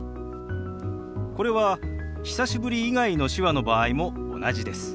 これは「久しぶり」以外の手話の場合も同じです。